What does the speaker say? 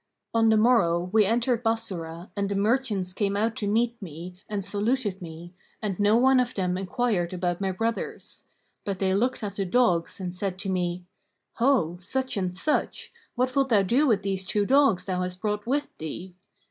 On the morrow we entered Bassorah and the merchants came out to meet me and saluted me, and no one of them enquired of my brothers. But they looked at the dogs and said to me, 'Ho, such and such,[FN#534] what wilt thou do with these two dogs thou hast brought with thee?'